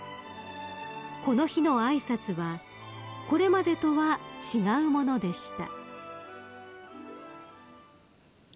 ［この日の挨拶はこれまでとは違うものでした］